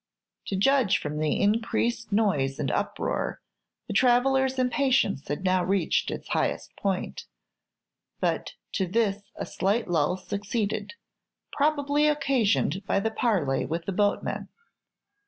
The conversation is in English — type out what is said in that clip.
To judge from the increased noise and uproar, the travellers' impatience had now reached its highest point; but to this a slight lull succeeded, probably occasioned by the parley with the boatman.